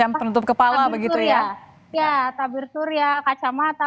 jangan lupa untuk membawa payung atau topi atau menggunakan tabir surya kacamata